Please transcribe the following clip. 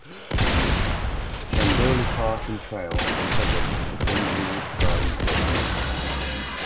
Tuahindauli Park and Trail is a project of the Dunsmuir Garden Club.